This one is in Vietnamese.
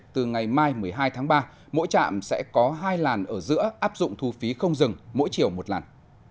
từ ngày mai một mươi hai tháng ba mỗi trạm sẽ có hai làn ở giữa áp dụng thu phí không dừng mỗi chiều một làn